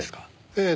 ええ。